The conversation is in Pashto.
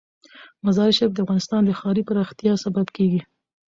مزارشریف د افغانستان د ښاري پراختیا سبب کېږي.